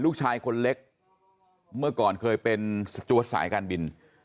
ลูกชายคนเล็กเมื่อก่อนเคยเป็นสจวดสายการบิน